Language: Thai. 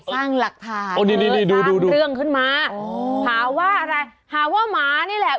สร้างหลักฐานโอ้นี่นี่ดูเรื่องขึ้นมาหาว่าอะไรหาว่าหมานี่แหละ